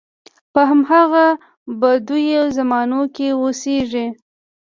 په همغه بدوي زمانو کې اوسېږي.